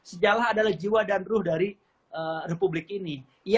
sejarah adalah jiwa dan ruh dari republik ini